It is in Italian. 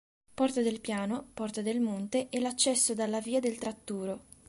Porta del Piano, Porta del Monte, e l'accesso dalla via del tratturo.